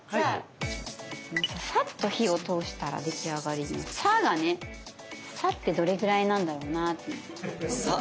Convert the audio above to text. さっと火を通したら出来上がりの「さっ」がね「さっ」てどれぐらいなんだろうな？っていう。